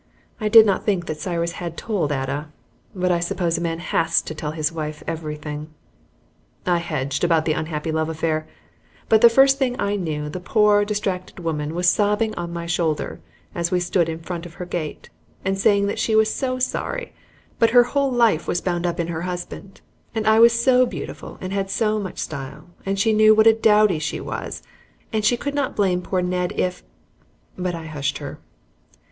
I did not think that Cyrus had told Ada, but I suppose a man HAS to tell his wife everything. I hedged about the unhappy love affair, but the first thing I knew the poor, distracted woman was sobbing on my shoulder as we stood in front of her gate, and saying that she was so sorry, but her whole life was bound up in her husband, and I was so beautiful and had so much style, and she knew what a dowdy she was, and she could not blame poor Ned if But I hushed her.